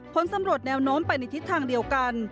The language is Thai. ผลสำรวจแนวโน้มไปในทิศทางเดียวกัน